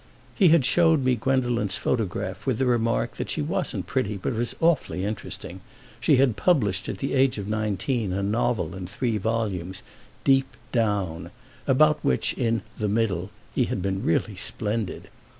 He had showed me Gwendolen's photograph with the remark that she wasn't pretty but was awfully interesting; she had published at the age of nineteen a novel in three volumes, "Deep Down," about which, in The Middle, he had been really splendid.